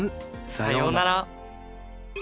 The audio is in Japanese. さようなら。